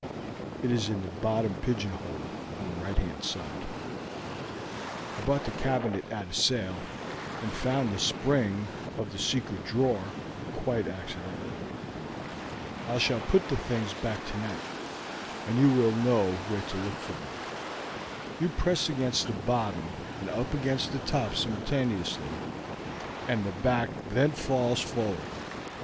It is in the bottom pigeonhole on the right hand side. I bought the cabinet at a sale, and found the spring of the secret drawer quite accidentally. I shall put the things back tonight, and you will know where to look for them. You press against the bottom and up against the top simultaneously, and the back then falls forward.